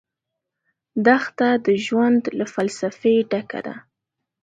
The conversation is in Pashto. دښته د ژوند له فلسفې ډکه ده.